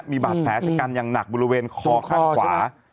มีบาดแผลชะกันอย่างหนักบริเวณคอข้างขวา